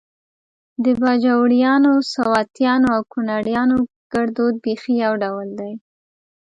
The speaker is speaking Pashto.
د باجوړیانو، سواتیانو او کونړیانو ګړدود بیخي يو ډول دی